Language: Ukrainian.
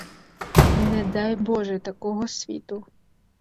Не дай боже такого світу!